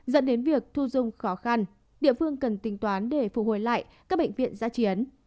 dẫn đến việc thu dung khó khăn địa phương cần tính toán để phục hồi lại các bệnh viện giã chiến